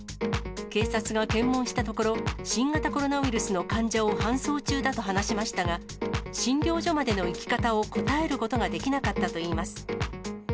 警察が検問したところ、新型コロナウイルスの患者を搬送中だと話しましたが、診療所までの行き方を答えることができなかったといいます。